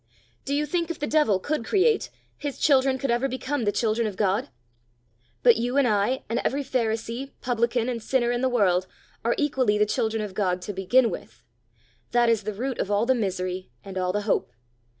Do you think if the devil could create, his children could ever become the children of God? But you and I, and every pharisee, publican, and sinner in the world, are equally the children of God to begin with. That is the root of all the misery and all the hope.